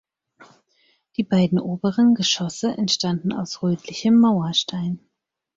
Die beiden oberen Geschosse entstanden aus rötlichem Mauerstein.